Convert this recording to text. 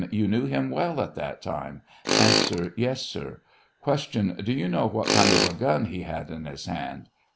You know him well at that time ? A. Yes, sir. Q. Do you know what kind of a gun he had in his hand?